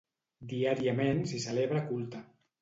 Diàriament s'hi celebra culte.